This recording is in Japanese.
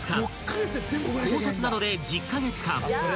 ［高卒などで１０カ月間］